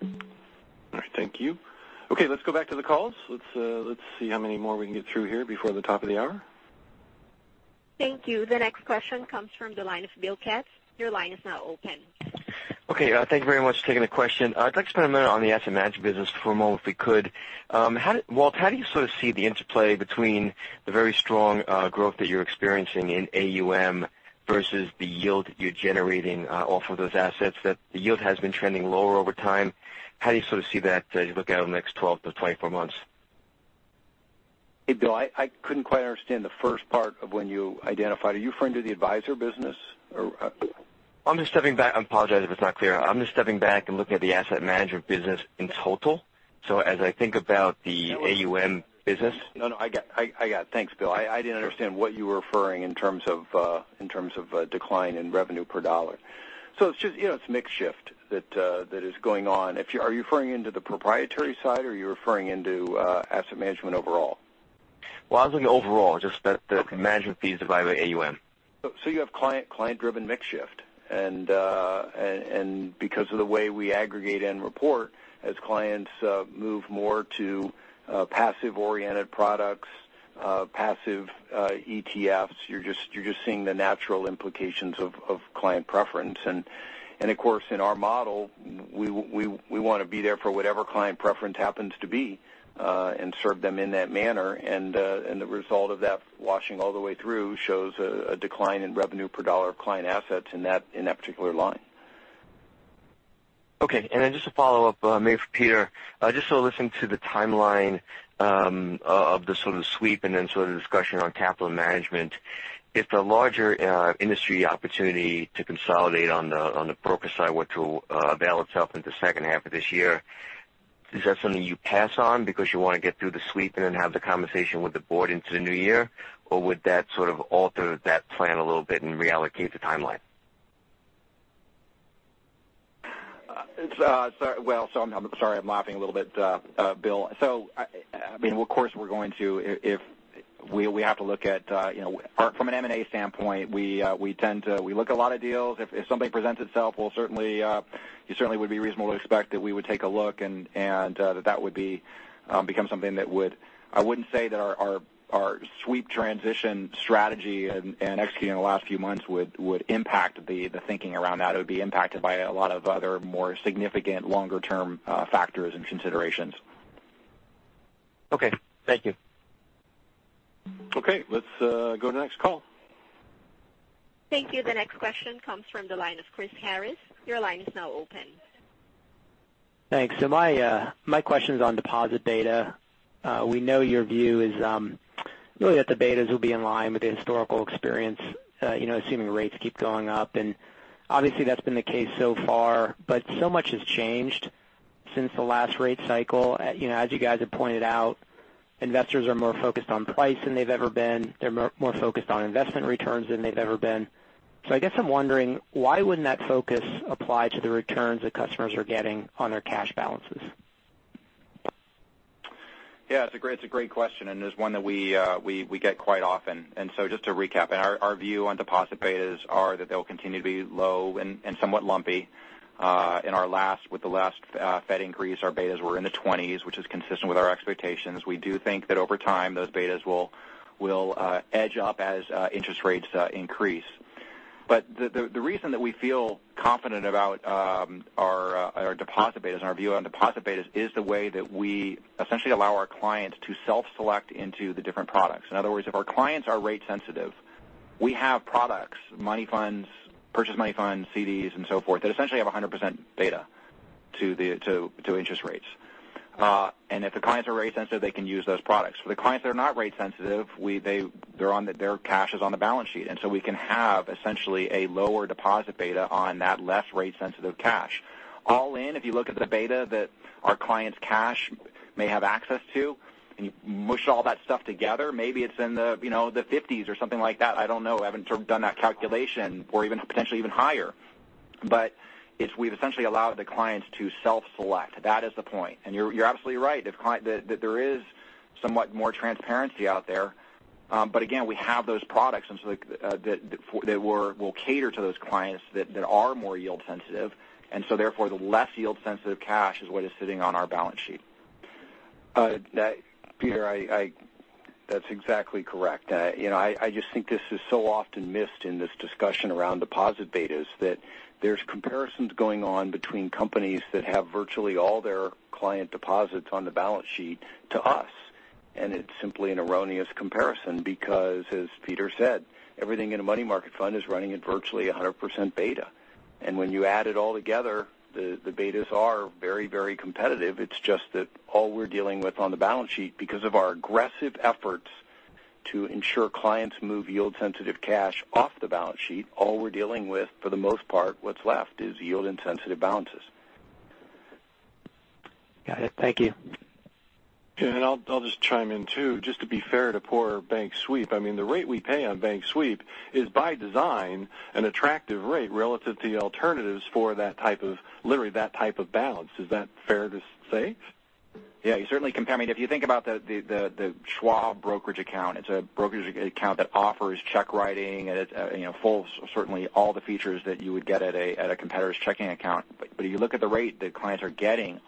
All right. Thank you. Let's go back to the calls. Let's see how many more we can get through here before the top of the hour. Thank you. The next question comes from the line of William Katz. Your line is now open. Thank you very much for taking the question. I'd like to spend a minute on the asset management business for a moment if we could. Walt, how do you sort of see the interplay between the very strong growth that you're experiencing in AUM versus the yield that you're generating off of those assets that the yield has been trending lower over time. How do you sort of see that as you look out over the next 12 to 24 months? Hey, Bill, I couldn't quite understand the first part of when you identified. Are you referring to the advisor business or- I'm just stepping back. I apologize if it's not clear. I'm just stepping back and looking at the asset management business in total. As I think about the AUM business- No, no, I got it. Thanks, Bill. I didn't understand what you were referring in terms of decline in revenue per dollar. It's mix shift that is going on. Are you referring into the proprietary side or are you referring into asset management overall? Well, I was looking overall, just the management fees divided by AUM. You have client-driven mix shift. Because of the way we aggregate and report as clients move more to passive-oriented products, passive ETFs, you're just seeing the natural implications of client preference. Of course, in our model, we want to be there for whatever client preference happens to be, and serve them in that manner. The result of that washing all the way through shows a decline in revenue per dollar of client assets in that particular line. Okay. Just to follow up, maybe for Peter, just sort of listening to the timeline of the sort of sweep and then sort of the discussion on capital management. If the larger industry opportunity to consolidate on the broker side were to avail itself in the second half of this year, is that something you pass on because you want to get through the sweep and then have the conversation with the board into the new year? Or would that sort of alter that plan a little bit and reallocate the timeline? I'm sorry I'm laughing a little bit, Bill. Of course, we're going to look at from an M&A standpoint. We look at a lot of deals. If something presents itself, it certainly would be reasonable to expect that we would take a look and that would become something that would I wouldn't say that our sweep transition strategy and executing in the last few months would impact the thinking around that. It would be impacted by a lot of other more significant longer-term factors and considerations. Okay. Thank you. Okay. Let's go to the next call. Thank you. The next question comes from the line of Chris Harris. Your line is now open. Thanks. My question's on deposit beta. We know your view is really that the betas will be in line with the historical experience assuming rates keep going up, and obviously that's been the case so far, much has changed since the last rate cycle. As you guys have pointed out, investors are more focused on price than they've ever been. They're more focused on investment returns than they've ever been. I guess I'm wondering, why wouldn't that focus apply to the returns that customers are getting on their cash balances? Yeah, it's a great question, and it's one that we get quite often. Just to recap, our view on deposit betas are that they'll continue to be low and somewhat lumpy. With the last Fed increase, our betas were in the twenties, which is consistent with our expectations. We do think that over time, those betas will edge up as interest rates increase. The reason that we feel confident about our deposit betas and our view on deposit betas is the way that we essentially allow our clients to self-select into the different products. In other words, if our clients are rate sensitive, we have products, money funds, purchase money funds, CDs, and so forth, that essentially have 100% beta to interest rates. If the clients are rate sensitive, they can use those products. For the clients that are not rate sensitive, their cash is on the balance sheet, we can have essentially a lower deposit beta on that less rate-sensitive cash. All in, if you look at the beta that our clients' cash may have access to, and you mush all that stuff together, maybe it's in the 50s or something like that, I don't know, I haven't done that calculation, or even potentially even higher. We've essentially allowed the clients to self-select. That is the point. You're absolutely right. There is somewhat more transparency out there. Again, we have those products that will cater to those clients that are more yield sensitive, therefore the less yield sensitive cash is what is sitting on our balance sheet. Peter, that's exactly correct. I just think this is so often missed in this discussion around deposit betas that there's comparisons going on between companies that have virtually all their client deposits on the balance sheet to us. It's simply an erroneous comparison because, as Peter said, everything in a money market fund is running at virtually 100% beta. When you add it all together, the betas are very competitive. It's just that all we're dealing with on the balance sheet because of our aggressive efforts to ensure clients move yield-sensitive cash off the balance sheet, all we're dealing with, for the most part, what's left is yield-insensitive balances. Got it. Thank you. I'll just chime in too, just to be fair to poor bank sweep. The rate we pay on bank sweep is by design an attractive rate relative to the alternatives for literally that type of balance. Is that fair to say? Yeah, if you think about the Schwab brokerage account, it's a brokerage account that offers check writing and certainly all the features that you would get at a competitor's checking account. If you look at the rate that clients are getting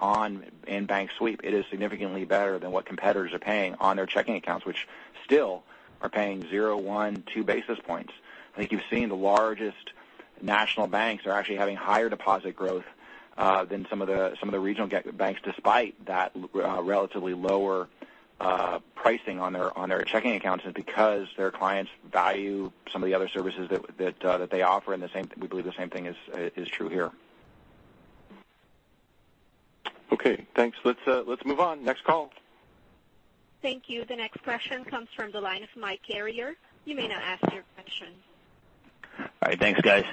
in bank sweep, it is significantly better than what competitors are paying on their checking accounts, which still are paying zero, one, two basis points. I think you've seen the largest national banks are actually having higher deposit growth than some of the regional banks, despite that relatively lower pricing on their checking accounts because their clients value some of the other services that they offer. We believe the same thing is true here. Okay, thanks. Let's move on. Next call. Thank you. The next question comes from the line of Michael Carrier. You may now ask your question. All right. Thanks, guys.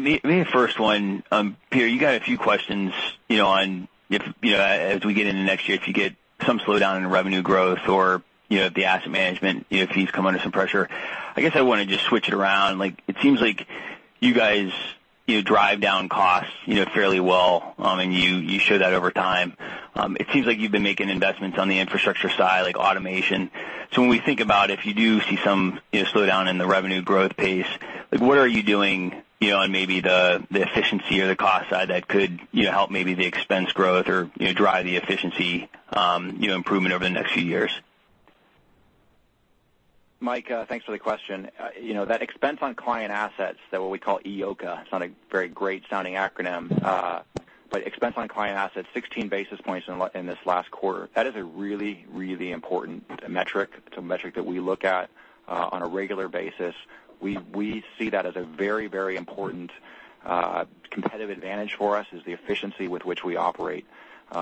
Maybe the first one, Peter, you got a few questions on if as we get into next year if you get some slowdown in revenue growth or if the asset management fees come under some pressure. I guess I want to just switch it around. It seems like you guys drive down costs fairly well, and you show that over time. It seems like you've been making investments on the infrastructure side, like automation. When we think about if you do see some slowdown in the revenue growth pace, what are you doing on maybe the efficiency or the cost side that could help maybe the expense growth or drive the efficiency improvement over the next few years? Mike, thanks for the question. That expense on client assets, what we call EOCA, it's not a very great sounding acronym, but expense on client assets, 16 basis points in this last quarter. That is a really important metric. It's a metric that we look at on a regular basis. We see that as a very important competitive advantage for us is the efficiency with which we operate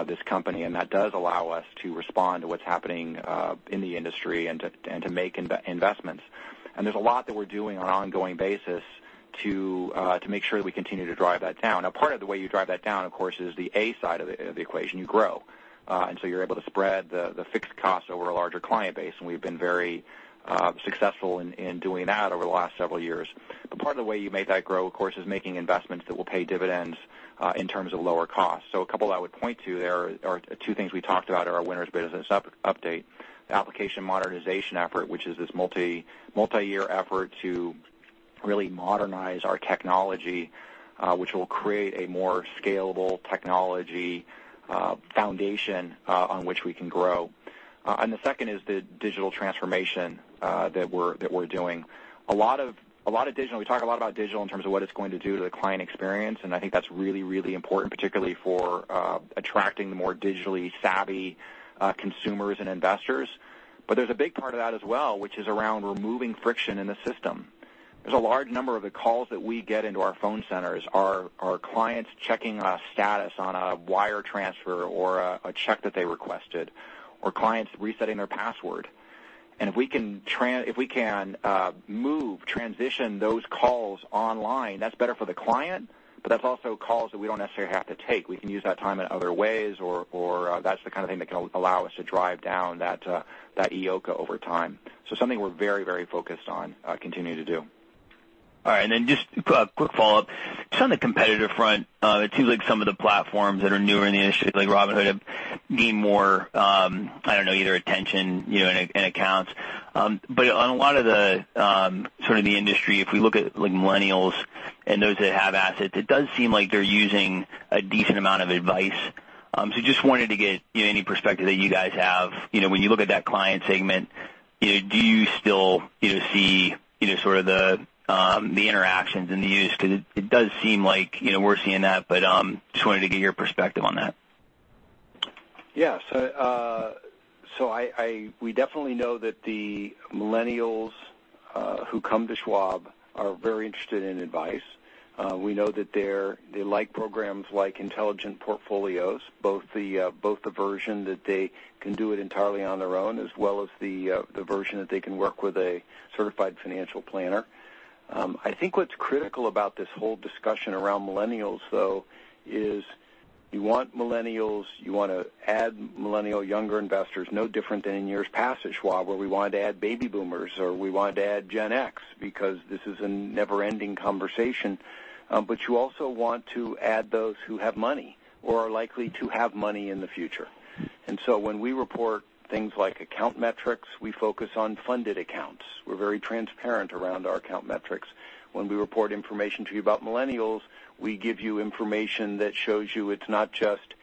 this company, and that does allow us to respond to what's happening in the industry and to make investments. There's a lot that we're doing on an ongoing basis to make sure that we continue to drive that down. Now, part of the way you drive that down, of course, is the A side of the equation. You grow. You're able to spread the fixed cost over a larger client base, and we've been very successful in doing that over the last several years. Part of the way you make that grow, of course, is making investments that will pay dividends in terms of lower costs. A couple I would point to there are two things we talked about at our Winter Business Update. The application modernization effort, which is this multi-year effort to really modernize our technology, which will create a more scalable technology foundation on which we can grow. The second is the digital transformation that we're doing. We talk a lot about digital in terms of what it's going to do to the client experience, and I think that's really, really important, particularly for attracting the more digitally savvy consumers and investors. There's a big part of that as well, which is around removing friction in the system. There's a large number of the calls that we get into our phone centers are clients checking a status on a wire transfer or a check that they requested, or clients resetting their password. If we can move, transition those calls online, that's better for the client, but that's also calls that we don't necessarily have to take. We can use that time in other ways or that's the kind of thing that can allow us to drive down that EOCA over time. Something we're very focused on continuing to do. All right. Just a quick follow-up. Just on the competitive front, it seems like some of the platforms that are newer in the industry, like Robinhood, need more, I don't know, either attention and accounts. On a lot of the industry, if we look at millennials and those that have assets, it does seem like they're using a decent amount of advice. Just wanted to get any perspective that you guys have. When you look at that client segment, do you still see sort of the interactions and the use? Because it does seem like we're seeing that, but just wanted to get your perspective on that. Yeah. We definitely know that the millennials who come to Schwab are very interested in advice. We know that they like programs like Intelligent Portfolios, both the version that they can do it entirely on their own, as well as the version that they can work with a certified financial planner. I think what's critical about this whole discussion around millennials, though, is you want millennials, you want to add millennial younger investors, no different than in years past at Schwab, where we wanted to add baby boomers, or we wanted to add Gen X, because this is a never-ending conversation. You also want to add those who have money or are likely to have money in the future. When we report things like account metrics, we focus on funded accounts. We're very transparent around our account metrics. When we report information to you about millennials, we give you information that shows you it's not just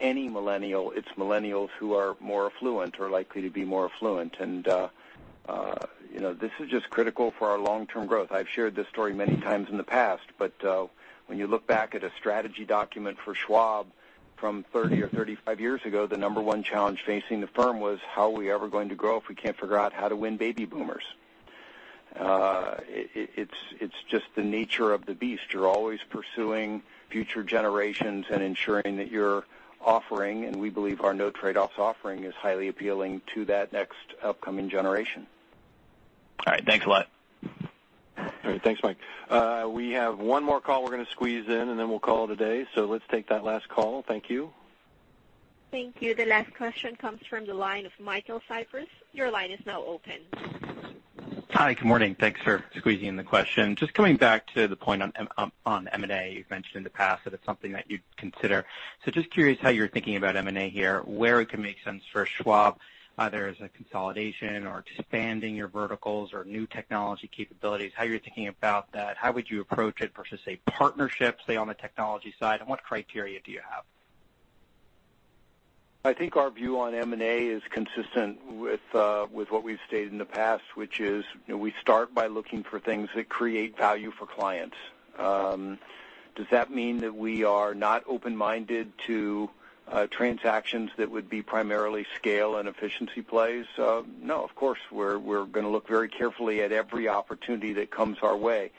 any millennial, it's millennials who are more affluent or likely to be more affluent. This is just critical for our long-term growth. I've shared this story many times in the past, but when you look back at a strategy document for Schwab from 30 or 35 years ago, the number 1 challenge facing the firm was how are we ever going to grow if we can't figure out how to win baby boomers? It's just the nature of the beast. You're always pursuing future generations and ensuring that your offering, and we believe our no trade-offs offering, is highly appealing to that next upcoming generation. All right. Thanks a lot. All right. Thanks, Mike. We have one more call we're going to squeeze in, and then we'll call it a day. Let's take that last call. Thank you. Thank you. The last question comes from the line of Michael Cyprys. Your line is now open. Hi, good morning. Thanks for squeezing in the question. Just coming back to the point on M&A. You've mentioned in the past that it's something that you'd consider. Just curious how you're thinking about M&A here, where it can make sense for Schwab, either as a consolidation or expanding your verticals or new technology capabilities, how you're thinking about that. How would you approach it versus, say, partnerships, say, on the technology side, and what criteria do you have? I think our view on M&A is consistent with what we've stated in the past, which is we start by looking for things that create value for clients. Does that mean that we are not open-minded to transactions that would be primarily scale and efficiency plays? No, of course, we're going to look very carefully at every opportunity that comes our way.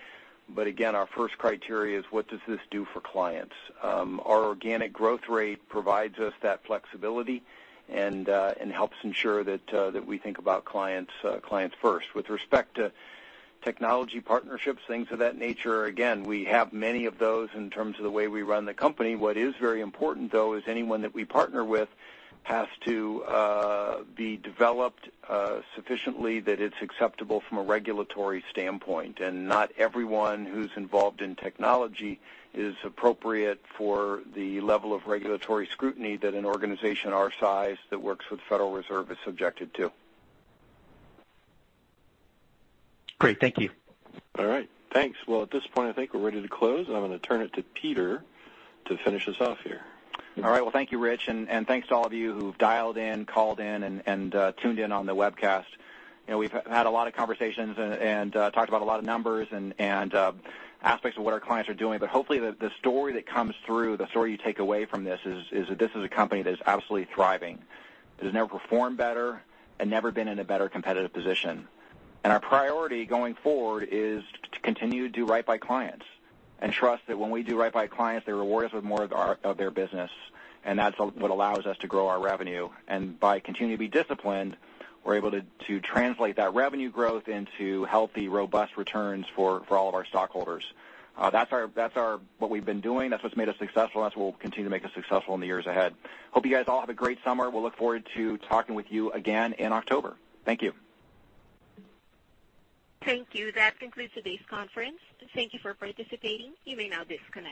Again, our first criteria is what does this do for clients? Our organic growth rate provides us that flexibility and helps ensure that we think about clients first. With respect to technology partnerships, things of that nature, again, we have many of those in terms of the way we run the company. What is very important, though, is anyone that we partner with has to be developed sufficiently that it's acceptable from a regulatory standpoint. Not everyone who's involved in technology is appropriate for the level of regulatory scrutiny that an organization our size that works with Federal Reserve is subjected to. Great. Thank you. All right. Thanks. Well, at this point, I think we're ready to close. I'm going to turn it to Peter to finish us off here. All right. Well, thank you, Rich, and thanks to all of you who've dialed in, called in, and tuned in on the webcast. We've had a lot of conversations and talked about a lot of numbers and aspects of what our clients are doing. Hopefully, the story that comes through, the story you take away from this is that this is a company that is absolutely thriving. That has never performed better and never been in a better competitive position. Our priority going forward is to continue to do right by clients and trust that when we do right by clients, they reward us with more of their business, and that's what allows us to grow our revenue. By continuing to be disciplined, we're able to translate that revenue growth into healthy, robust returns for all of our stockholders. That's what we've been doing. That's what's made us successful, and that's what will continue to make us successful in the years ahead. Hope you guys all have a great summer. We'll look forward to talking with you again in October. Thank you. Thank you. That concludes today's conference. Thank you for participating. You may now disconnect.